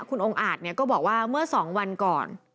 คุณองค์อาจก็บอกว่าเมื่อ๒วันก่อน